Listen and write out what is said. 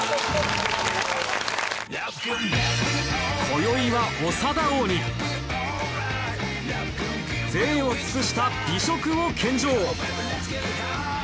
今宵は長田王に贅を尽くした美食を献上